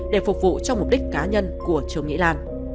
để phục vụ cho mục đích cá nhân của trương mỹ lan